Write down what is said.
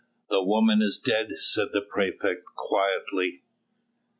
"The woman is dead," said the praefect quietly.